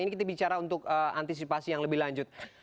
ini kita bicara untuk antisipasi yang lebih lanjut